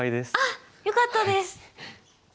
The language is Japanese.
あっよかったです。